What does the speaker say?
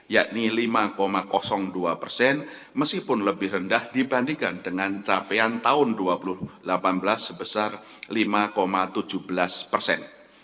yakni lima dua persen meskipun lebih rendah dibandingkan dengan capaian tahun dua ribu delapan belas sebesar lima tujuh belas persen